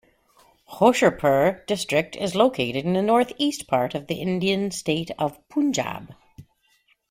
Hoshiarpur district is located in the north-east part of the Indian state of Punjab.